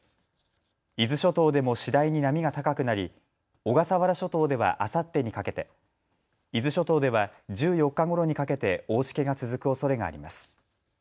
伊豆諸島でも次第に波が高くなり小笠原諸島ではあさってにかけて、伊豆諸島では１４日ごろにかけて大しけが続くおそれがあります。